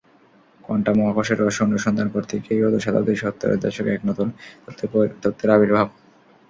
Quantum মহাকর্ষের রহস্য অনুসন্ধান করতে গিয়েই গত শতাব্দীর সত্তরের দশকে এক নতুন তত্ত্বের আবির্ভাব।